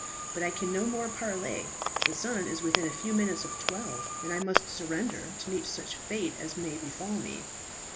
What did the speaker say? But I can no more parley. The sun is within a few minutes of twelve, and I must surrender, to meet such fate as may befall me."